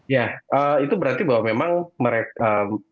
ya itu berarti bahwa memang mereka